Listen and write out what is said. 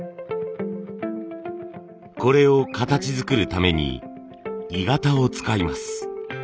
これを形づくるために鋳型を使います。